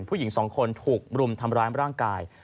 ผู้หญิงสองคนถูกรุมทำร้ายร่างกาย